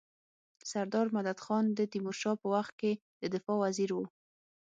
سردار مددخان د تيمورشاه په وخت کي د دفاع وزیر وو.